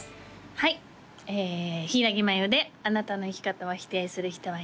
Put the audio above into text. はいひいらぎ繭で「あなたの生き方を否定する人はいない」